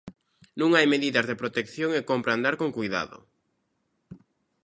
Non hai medidas de protección e cómpre andar con coidado.